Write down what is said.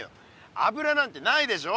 油なんてないでしょ。